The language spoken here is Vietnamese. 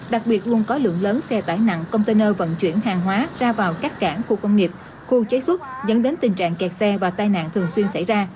đặc biệt luôn có lượng lớn xe tải nặng container vận chuyển hàng hóa ra vào các cảng khu công nghiệp khu chế xuất dẫn đến tình trạng kẹt xe và tai nạn thường xuyên xảy ra